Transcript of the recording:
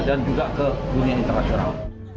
dan juga ke dunia internasional